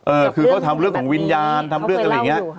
เออคือเขาทำเรื่องของวิญญาณทำเรื่องอะไรอย่างนี้